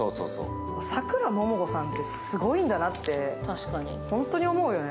さくらももこさんってすごいんだなって、ホントに思うよね。